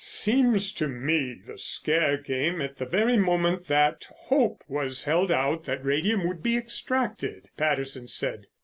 "Seems to me the scare came at the very moment that hope was held out that radium would be extracted," Patterson said.